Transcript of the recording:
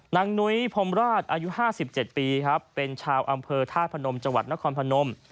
นุ้ยพรมราชอายุ๕๗ปีครับเป็นชาวอำเภอธาตุพนมจังหวัดนครพนม